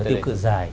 tiêu cửa dài